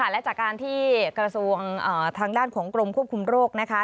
และจากการที่กระทรวงทางด้านของกรมควบคุมโรคนะคะ